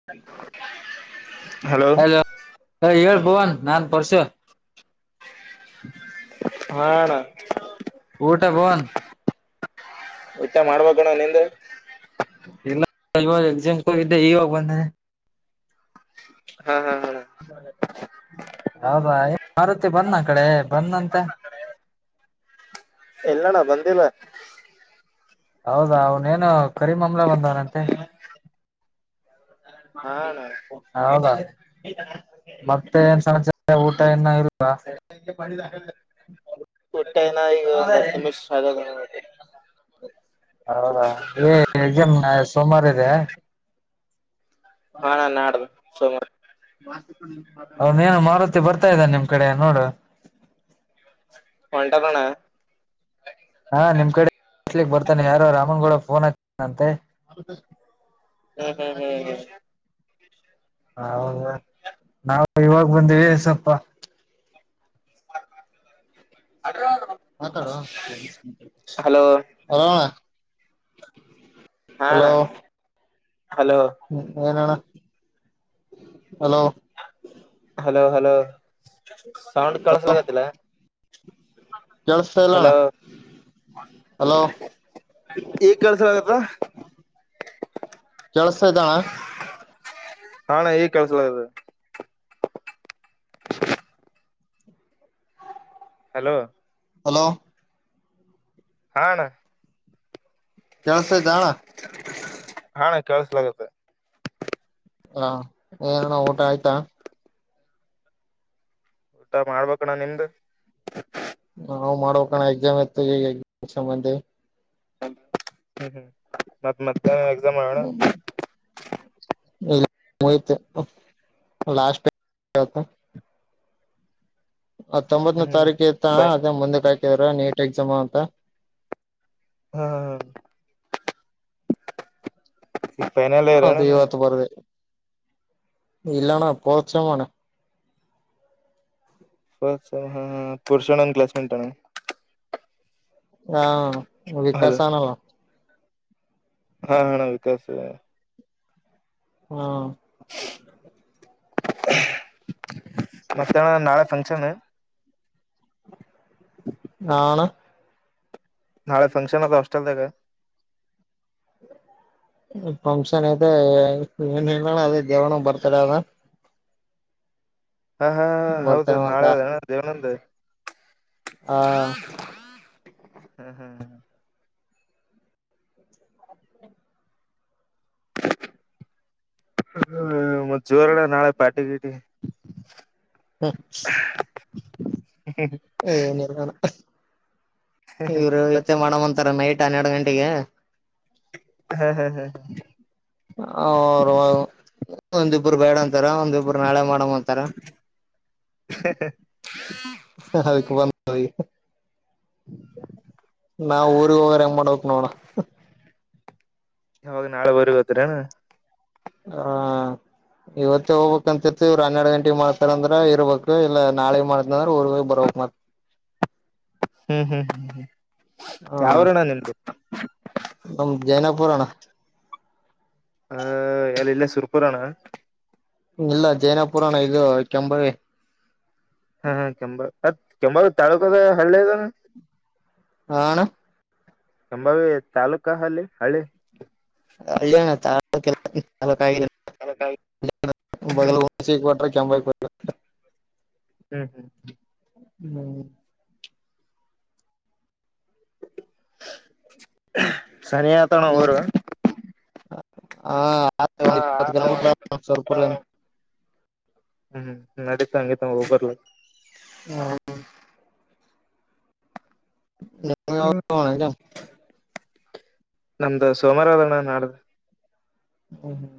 [unintelligible] Hello ಹ ಹೇಳ್ ಭುವನ್ ನಾನ್ ಪರಶು [unintelligible] ಹಾ ಅಣ್ಣ ಊಟಾ ಭುವನ್. ಊಟ ಮಾಡ್ಬೆಕ ಅಣ್ಣಾ ನಿಂದ್ ಇಲ್ಲ [unintelligible] ಇವಾಗ ಎಕ್ಸಾಮ್ಕ್ ಹೋಗಿದ್ದೆ ಇವಾಗ ಬಂದನೆ ಹಾ ಹಾ ಹಾ [unintelligible] ಹೌದಾ ಆ ಮಾರತಿ ಬಂದ್ನಾ ಆ ಕಡೆ ಬಂದ್ನಂತೆ. ಇಲ್ಲಣ್ಣ ಬಂದಿಲ್ಲ. ಹೌದಾ ಅವನೇನು ಕರಿಮಮ್ಲ ಬಂದವನಂತೆ ಹಾ ಅಣ್ಣ [unintelligible] ಹೌದಾ ಮತ್ತೆ ಏನ್ ಸಮಾಚಾರ ಊಟ ಇನ್ನಾ ಇಲ್ವಾ ಊಟ್ಟಾ ಇನ್ನಾ ಈಗ ಒಂದ್ ಹತ್ತು ನಿಮಿಷ್ ಆಗ್ಯಾದ ಹೌದಾ ಏ ಎಕ್ಸಾಮ್ ನ ಸೋಮವಾರ ಇದೇ ಹಾ ಅಣ್ಣಾ ನಾಡ್ದ ಸೋಮವಾರ ಅವನೇನು ಮಾರುತಿ ಬರ್ತಾ ಇದ್ದಾನ ನಿಮ್ ಕಡೆ ನೋಡು ಹೊಳ್ಟಾದ ಅಣಾ ಹಾ ನಿಮ್ ಕಡೆ [unintelligible] ಬರ್ತಾನೆ ಯಾರೋ ರಾಮನ್ಗೌಡಾ ಫೋನ್ ಹಚ್ಚಾದ್ನಂತೆ ಹ್ಮ್ ಹ್ಮ್ ಹ್ಮ್ ಹ್ಮ್. ಹೌದ ನಾವು ಇವಾಗ ಬಂದಿವಿ ಸ್ವಲ್ಪ [unintelligible] ಮಾತಾಡೋ ಹಲೋ [unintelligible] ಹಲೋ ಅಣ್ಣಾ ಹಾ ಅಣ್ಣಾ [inaudible] hello. ಏನಣಾ [inaudible] hello hello hello sound ಕೆಳ್ಸಲಾಗೆತಲ್ಲಾ [inaudible] ಕೆಳ್ಸ್ತಾಯಿಲ್ಣಾ hello hello [inaudible] ಈಗ ಕಳ್ಸಲಾಗತ್ತ ಕೆಳ್ಸಸ್ತಾ ಐತಿ ಅಣ್ಣಾ ಹಾ ಅಣ್ಣಾ ಈಗ್ ಕೆಳ್ಸಲಾಗ್ಯೆದ ಹಲೋ ಹಲೋ ಹಾ ಅಣ್ಣಾ ಕೆಳ್ಸ್ತೈತಾ ಅಣ್ಣಾ ಹಾ ಅಣ್ಣಾ ಕೆಳ್ಸ್ಲಾಗತ್ತೆ. ಹಾ ಏನಣ್ಣ ಊಟ ಆಯ್ತಾ. ಊಟ ಮಾಡ್ಬೆಕ ಅಣ್ಣಾ ನಿಮ್ದ್ ನಾವು ಮಾಡ್ಬೇಕಣಾ ಎಕ್ಸಾಮ್ ಇತ್ತ ಈಗ ಎಕ್ಸಾಮ್ ಮುಗಸ್ಕೆಂಡ್ ಬಂದೆ ಹ್ಮ್ ಹ್ಮ್ ಮತ್ ಮತ್ತ ಮಧ್ಯಾಹ್ನ ಎಕ್ಸಾಮ್ ಅಣ. ಇಲ್ಲ ಮು ಇತು ಲಾಸ್ಟ್ [inaudible] ಹತ್ತೊಂಬತ್ತನೇ ಹ್ಮ್ ಹ್ಮ್ ತಾರೀಕು ಇತ್ತಣ ಫೈ ಅದನ್ ಮುಂದಕ್ ಹಾಕಿದಾರೆ ನೀಟ್ ಎಕ್ಸಾಮ್ ಅಂತ. ಹಾ ಹಾ ಹ ಈಗ ಫೈನಲ್ ಇಯರ್ ಅದ ಅಣ್ಣ ನಂದು ಈವತ್ತು ಬರ್ದೆ ಇಲ್ಲಣ್ಣ ಫೋರ್ತ್ ಸೆಮ್ ಅಣ. ಪುರುಷ ನನ್ ಕ್ಲಾಸ್ಮೆಂಟ್ ಅಣ ಹಾ ವಿಕಾಸ ಹಲೋ ಆನಲ. ಹಾ ಹ್ ಅಣ್ಣ ವಿಕಾಸು. ಹ್ಮ ಮತ್ತೆ ಅಣ ನಾಳೆ ಫಂಕ್ಷನ್. ಹಾ ಅಣ ನಾಳೆ ಫಂಕ್ಷನ್ ಅದ ಹಾಸ್ಟೆಲ್ದಾಗ. ಫಂಕ್ಷನ್ ಅದೇ ಏನ್ ಇಲ್ಲಣ ಅದೇ ದೇವಣ್ಣ ಬರ್ತದೆ ಅದ. ಹಾ ಹಾ ಹ ಹೌದು ಬರ್ತಡೇ ಮಾಡ್ಕ ನಾಳೆ ಅದಣ ದೇವಣ್ಣಂದು. ಹಾ ಹ್ಮ ಹಾ ಹ ಹ ಹ್ ಮತ್ ಜೋರಣ ನಾಳೆ ಪಾರ್ಟಿ ಗೀರ್ಟಿ. ಹ್ಮ ಉ ಹ್ಮ್ ಏನ್ ಇಲ್ಲಣ ಇವರು ಇವತ್ತೆ ಮಾಡಮ್ ಅಂತಾರ ನೈಟ್ ಹನ್ನೆರಡು ಗಂಟೆಗೆ ಹಾ ಹಾ ಹಾ ಹ್ ಅ ಅವ್ರು ಒಂದಿಬ್ಬರು ಬೇಡ ಅನ್ ತಾರ ಒಂದಿಬ್ರು ನಾಳೆ ಮಾಡಮ್ ಅಂತಾರ. ಅದಕ್ಕೆ ಬಂದ್ವಿ ನಾ ಊರಿಗ್ ಹೋಗೊರೆಂಗ್ ಮಾಡ್ಬೇಕ್ ನೋಡು. ಯಾವಾಗ ನಾಳೆ ಊರಿಗ್ ಹೋಗ್ತಿರೇನ. ಏ ಹಾ ಇವತ್ತೇ ಹೋಗ್ಬೇಕ ಅಂತಿತರ್ತಿವ್ ಇವ್ರು ಹನ್ನೆರಡ್ ಗಂಟೆಗೆ ಮಾಡ್ತಾರ ಅಂದ್ರ ಇರ್ಬೇಕು ಇಲ್ಲ ನಾಳೆ ಮಾಡ್ತೀನ್ ಅಂದ್ರ ಊರ್ಗ್ ಹೋಗ್ ಬರ್ಬೇಕ್ ಮತ್ ಹ್ಮ್ ಹ್ಮ್ ಹ್ಮ್ ಹ್ಮ್ ಹಾ ಅಣ ನಮ್ ಜೈನಪುರಣ್ಣ ಹ ಎಲ್ ಇಲ್ಲೇ ಸುರ್ಪುರನ ಇಲ್ಲ ಜೈನಪುರಾಣ ಇದು ಕೆಂಬರಿ ಹಾ ಕೆಂಬ ಅದ ಕೆಂಬಾಳ ತಾಲೂಕದ ಹಳ್ಳಿ ಅದಣ್ಣ ಹಾ ಅಣ ಸಂಬಾವಿ ತಾಲೂಕ ಹಲ್ಲಿ ಹಳ್ಳಿ. ಹಳ್ಳಿಯಣ ತಾಲೂಕ್ [unintelligible] ತಾಲೂಕ್ ಆಯಿ ಣ ಬದಲು ವಸಿ ಕೊಟ್ರೆ [unintelligible] ಹ್ಮ್ ಹ್ಮ್ ಹ್ಮ್ ಸರಿ ಆತಣ ಊರು ಹಾ ಆತು ಹಾ ಒಂದ್ ಇಪ್ಪತ್ತ್ ಕಿಲೋಮೀಟರ್ ಆತ. ಆತು ಸುರಪುರ. ಹ್ಮ್ ನಡತ ಹಂಗೆ ತ ಹೋಬರ್ಲ. ಯಾವ್ದು [unintelligible] ಇದ ನಮ್ದು ಸೋಮಾರ ಅದಣ್ಣ ನಾಡ್ದ ಹ್ಮ ಹ್ಮ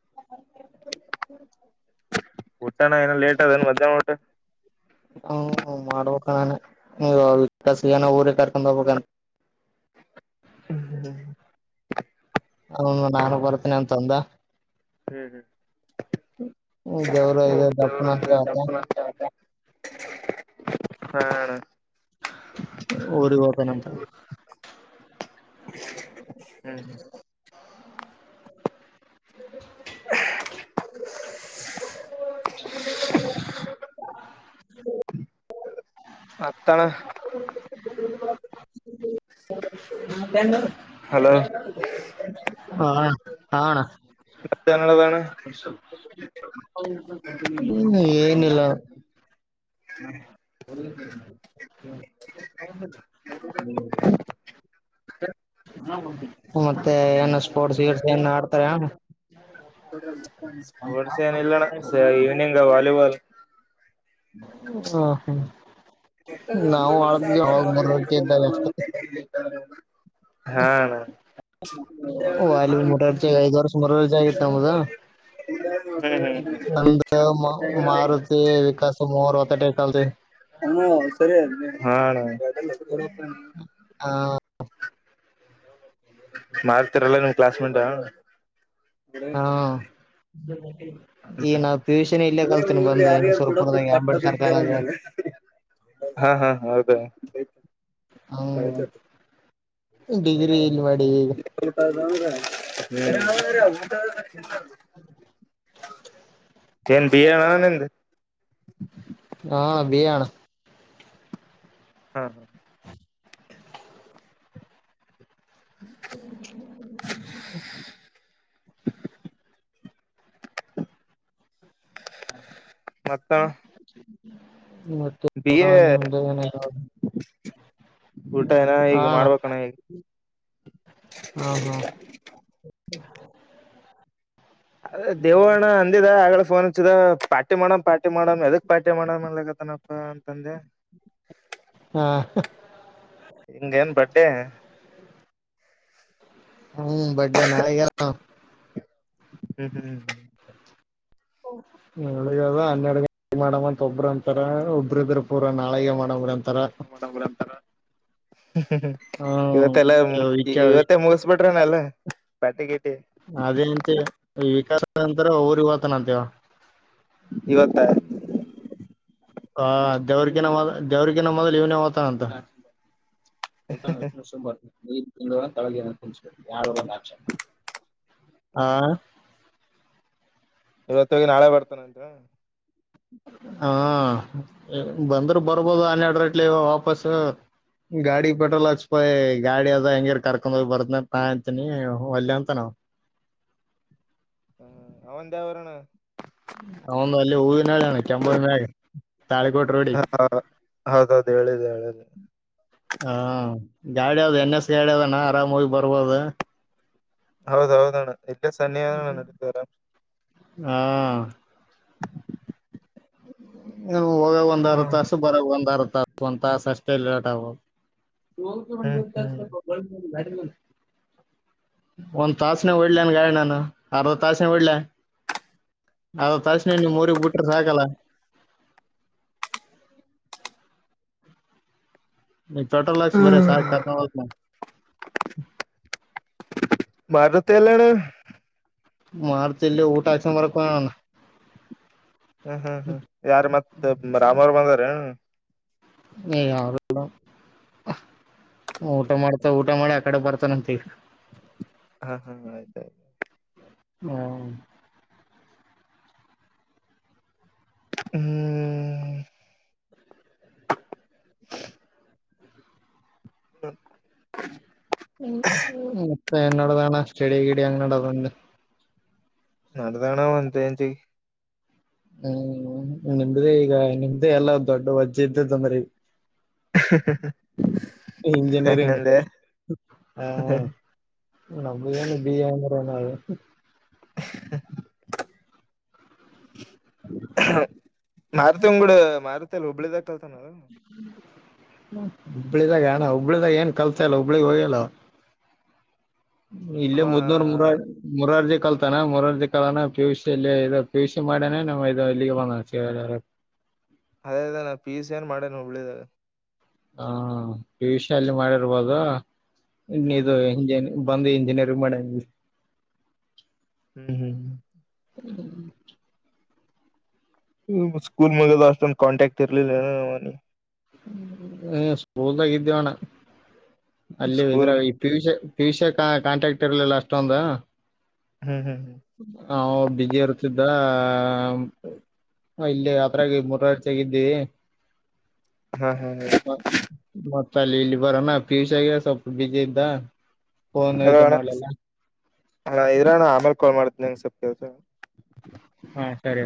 ಹ ಹುಟ್ಟನ ಏನ ಲೇಟ್ ಅದೇನ ಮಧ್ಯಾ್ನ ಒಟ್ಟು ಹ್ಮ ಮಾಡ್ಬೇಕ್ ಅಣ್ಣ ನೀವು ವಿಕಾಸ ಏನ ಊರಿಗೆ ಕರ್ಕೊಂಡ್ ಹೋಗ್ಬೇಕಂತ ಹ್ಮ ಹ್ಮ ಹ್ಮ ಅವ್ನು ನಾನು ಬರ್ತೇನಿ ಅಂತ ಅಂದ ಹ್ಮ್ ಹ್ಮ್ ಹ್ಮ ದೇವರ ಇದೆ ದಪ್ಪು ನಷ್ಟ ಆಯತ ಹ ಹಾ ಅಣ್ಣ ಊರಿ ಹೋಗಣನಂಥ ಹ್ಮ್ ಹ್ಮ್ [inaudible] ಹ್ಮ [inaudible] ಮತ್ ಅಣ್ಣ ಹಾದ [unintelligible] ಹಲೋ ಹಾ ಹಾ ಅಣ್ಣ [unintelligible] ಹ್ಮ್ ಏನಿಲ್ಲ ಮತ್ತೆ ಏನು ಸ್ಪೋರ್ಟ್ಸ್ ಗಿಟ್ಸ್ ಏನ್ ಆಡ್ತಾರೆನ ಸ್ಪೋರ್ಟ್ಸ್ ಏನಿಲ್ಲಣ್ಣ ಈವ್ನಿಂಗ್ ವಾಲಿಬಾಲ್ ಹಾ ಹ್ಮ ಎ ಆ ಮೂರರ್ಜಿ ಇದ್ದಾಗ ಅಷ್ಟೇ [unintelligible] ಹಾ ಅಣ್ಣ ಹ್ಮ್ ರ್ಸ್ ಮರ ಜಾಗ ನ ಮುದ [unintelligible] ಅಂದ್ರ ಮಾರುತಿ ವಿಕಾಸು ಮೂವರು ಹೊತಟೇಕ್ ಅಂತಿ ಹ ಸರಿ ಹಾ ಅಣ್ಣ ಹ ಮಾರ್ತಾರಲ್ಲ ನೀಮ್ ಕ್ಲಾಸ್ ಮೇಟ್ ಹಾ ಹಾ ಈ ನಾವ ಪಿ. ಯು. ಸಿ ನು ಇಲ್ಲೇ ಕಲ್ತೀನಿ ಮುಂದೆ ಬಂದ ಯಾರ್ಯಾರು ಕೊಡಕ್ಕೂ ಸುರಪುರ್ದಾಗ ಕಟ್ಟ ಅಂಬೇಡ್ಕರ್ ಬಿಡ್ತಾರ ಕಾಲೇಜ [inaudible] ಹಾ ಹಾ ಹೌದ ಹ್ಮ್ ಡಿಗ್ರಿ ಇಲ್ಲಿ ಮಾಡಿದಿನಿ ಊಟ [unintelligible] ಏನ್ ಬಿ. ಎ ಅಣ್ಣ ನಿಂದು ಹ ಹಾ ಬಿ. ಎ ಅಣ್ಣ ಹಾ ಹಾ ಂ [inaudible] ಅ [inaudible] ಮತ್ತ ಬಿ ಎ ಮತ್ತೆನ [unintelligible] ಊಟ ಏನ ಹಾ ಈಗ ಅಣ್ಣಾ ಮಾಡ್ಬೇಕಣ್ಣ ಈಗ ಹಾ ಹಾ ಅದ ದೇವಣ್ಣ ಅಂದಿದ ಆಗಳೇ ಫೋನ್ ಹಚ್ಚಿದ ಪಾರ್ಟಿ ಮಾಡಮ್ ಪಾರ್ಟಿ ಮಾಡಮ್ ಎದಕ್ ಪಾರ್ಟಿ ಮಾಡ ಮಾಡನ್ತನ ಹ ಅಂತಂದೆ ಹಾ ಹಂಗೇನ್ ಬಟ್ಟೆ ಹ್ಮ್ ಬಟ್ಟೆ ನ ಹ್ಮ್ ಹ್ಮ್ ಹ್ಮ್ ಹ್ಮ್ ಹ ನಾಳಿದ ಹನ್ನೆರಡು ಗಂಟೆಗೆ ಮಾಡಂತ ಒಬ್ರ ಅಂತಾರ ಒಬ್ಬ್ರ ಇದ್ರ ಪೂರಾ ನಾಳೆ ಮಾಡುಮ್ ಹ್ಮ್ ಇವತ್ತೇಲ್ಲ ವಿಕ ಇವತ್ತ ಮುಗಿಸಿ ಮುಗಿಸಿ ಬಿಟ್ರನೆಲ್ಲ ಬ್ಯಾಟಿ ಗೇಟಿ ಅದೇ ಅಂತೆ ವಿಕಾಸದ ನಂತರ ಊರಿಗೆ ಹೋಗತಾನಂತ ಇವಾ ಇವತ್ತ ಹ ದೇವ್ರಗಿನ ಮೊದಲ ದೇವ್ರಗಿನ ಮೊದಲ್ ಇವ್ನೇ ಹೋಗತಾನ ಅಂತ ಊಟಾ ಸುಪರ್ [unintelligible] ಆ ಇವತ್ತ ಹೋಗಿ ನಾಳೆ ಬರ್ತಾನಂತ ಹಾ ಬಂದ್ರ ಬರ್ಬೋದು ಹನ್ನೆರಡು ರಟ್ಲಿ ವಾಪಸ್ ಗಾಡಿ ಪೆಟ್ರೋಲ್ ಹ್ಮ್ ಹಾಕ್ಷಪ ಗಾಡಿ ಅದ ಹೆಂಗಿರ್ ಕರ್ಕೊಂಡೋಗ್ ಬರ್ದ ನಾ ಅಂತೀನಿ ವಲ್ಯ ಅಂತನಾವ ಹ್ಮ ಅವಂದ ಯಾವೂರ್ ಅಣ್ಣಾ ಅವಂದು ಅಲ್ಲಿ ಹೂವಿನಳಿ ಕೆಂಬೊ ಮ್ಯಾಗ ತಾಳಿ ಕೊಟಿ ಹ ಹೌದ ಹೌದು ಹೇಳಿದೆ ಹೇಳಿದ ಹಾ ಗಾಡಿ ಅವ್ದ ಎನ್ ಎಸ್ ಗಾಡಿ ಅದನ ಆರಾಮೋಗಿ ಬರ್ಬೋದು ಹೌದ ಹೌದಣ್ಣ ಇಲ್ಲೇ ಸನ್ನಿ ನಡತಾರ ಹಾ ನೀ ಹೋಗಾಗ ಒಂದ್ ಅರ್ಧ ಹ್ಮ್ ತಾಸು ಬರಾಗ ಒಂದ್ ಅರ್ಧ ತಾಸು ಒಂದ ತಾಸು ಅಷ್ಟೇ ಲೇಟ್ ಹ್ಮ್ [unintelligible] ಒಂದ್ ತಾಸನಾಗ ಹೊಡ್ಲನ್ ಗಾಡಿ ನಾನು ಅರ್ದ ತಾಸನಾಗ ಹೊಡ್ಲಾ ಅರ್ದ ತಾಸ್ ನ್ಯಾ ನೀಮ್ಮಊರಿಗೆಗ್ ಬಿಟ್ಟ್ರ ಸಾಕಲ್ಲ ಟೋಟಲ ಲಕ್ಷ ಬರೆ ಸಾಕ ಮಾರದತ ಎಲ್ಲಣ ಮಾರುತಿ ಇಲ್ಲಿ ಊಟ ಹಾಕಿಸಿಕೊಂಡ ಬರಕ್ ಹೋಗ್ಯಾನ ಹ್ಮ್ ಹ್ಮ್ ಹ್ಮ್ ಯಾರ ಮತ್ ರಾಮನ್ ಬಂದಾರ ಎನ್ ಏ ಯಾರಿಲ್ಲೋ ಊಟ ಮಾಡ್ತಾ ಊಟ ಮಾಡಿ ಆಕಡೆ ಬರ್ತಾನಂತ ಈಗ್ ಹಾ ಹಾ ಆಯ್ತು ಹ್ಮ ಹ್ಮ್ ಹ್ಮ ಹ್ಮ ಮತ್ತ ಎನಡದಣ್ಣ ಸ್ಟಡಿ ಗಿಡಿ ಹೆಂಗ್ ನಡೆದ ಅಂದೆ ನಡೆದ ಅಣ್ಣ ಒಂದ ರೇಂಜಿಗೆ ಹ್ಮ್ ನಿಮ್ದೇ ಈಗ ನಿಮ್ದೇ ಎಲ್ಲ ದೊಡ್ಡ ವಜ್ಜೆ ಇದ್ದದ್ದಂರ ಇಂಜಿನಿಯರಿಂಗ್ ಹೆಂಗಂದೆ ಹ ನಮ್ ಬಿ ಎ ರನ ಆಗೈತಿ [unintelligible] ಮಾರುತಿ [unintelligible] ಮಾರುತಿ ಅಲ್ಲಿ ಹುಬ್ಬಳಿದಾಗ ಕಲ್ತಾನೇನು ಹುಬ್ಳಿದಾಗ ಏನ ಹುಬ್ಬಳಿದಾಗ ಏನ್ ಕಲ್ತ ಇಲ್ಲ ಹುಬ್ಳಿಗೆ ಹೋಗೆ ಇಲ್ಲ ಆವ. ಇಲ್ಲೇ ಅವ ಮುದ್ನೂರ್ ಮೂರಳು ಮುರರ್ಜಿ ಕಲ್ತಾನ ಮುರರ್ಜಿ ಕಾಲನ ಪಿಯುಸಿ ಇಲ್ಲೇ ಇದು ಪಿ ಯು ಸಿ ಮಾಡನಾ [unintelligible] ಇದು ಇಲ್ಲಿಗೆ ಬಂದನಾ [unintelligible] ಅದೇ ಅದೇ ನಾ ಪಿ ಯು ಸಿ ಏನಾ ಮಾಡನಾ ಹುಬ್ಳಿದಾಗ. ಹಾ ಪಿ ಯು ಸಿ ಅಲ್ಲೆ ಮಾಡಿರ್ಬೋದು ಹ್ಮ್ ಇಡು [unintelligible] ಇಂಜ [unintelligible] ಬಂದು ಇಂಜಿನಿಯರಿಂಗ್ ಮಾಡನಾ ಇಲ್ಲಿ. ಹ್ಮ [unintelligible] ಹ್ಮ್ [unintelligible] ಹ ಸ್ಕೂಲ್ ಮುಗಿದಿದ್ ಮೇಲೆ ಅಸ್ಟೋದು ಕಾಂಟ್ಯಾಕ್ಟ್ ಇರಲಿಲ್ಲ ಮಿ ಹ ಸ್ಕೂಲ್ನಾಗಿದ್ವಿ ಅಣ್ಣ ಅಲ್ಲಿ ಸ್ಕೂಲ್ ವಿದರೈ P U C - P U ಸಿಯಾಗ್ ಕಾಂಟ್ರಾಕ್ಟ್ ಇರ್ಲಿಲ್ಲ ಅಷ್ಟೊಂದು ಹ್ಮ್ ಹ್ಮ್ ಹ್ಮ್ ಹೌ ಬಿಜಿ ಇರ್ತಿದ್ದ ಇಲ್ಲಿ ಅದರಾಗ ಮೂರಾರ್ಜಿ ಆಗಿದ್ದಿವಿ. ಹಾ ಹಾ ಮತ್ತ ಅಲ್ಲಿ ಇಲ್ಲಿ ಬರೋಣ ಪಿ ಯು ಸಿಯಾಗ್ ಸ್ವಲ್ಪ ಬಿಜಿ ಇದ್ದ. ಫೋನ್ ಹಲೋ ಇದು ಅಣ್ಣ ಮಾಡಲಿಲ್ಲ ಅಣ್ಣ ಇರಣ್ಣ ಆಮೇಲೆ ಕಾಲ್ ಮಾಡ್ತೀನಿ ಸ್ವಲ್ಪ್ ಕೆಲಸ [unintelligible] ಹಾ ಸರಿ